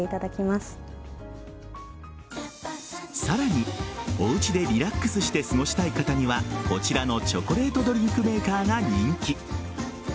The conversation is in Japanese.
さらにおうちでリラックスして過ごしたい方にはこちらのチョコレートドリンクメーカーが人気。